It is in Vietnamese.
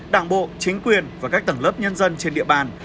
đảng bộ chính quyền và các tầng lớp nhân dân trên địa bàn